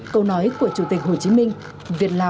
câu nói của chủ tịch hồ chí minh